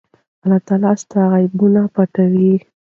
الله ستاسو عیبونه پټوي.